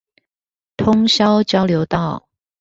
通霄交流道